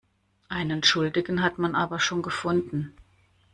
Einen Schuldigen hat man aber schon gefunden.